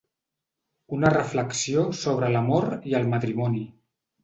Una reflexió sobre l’amor i el matrimoni.